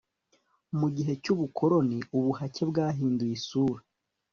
mu gihe cy'ubukoloni ubuhake bwahinduye isura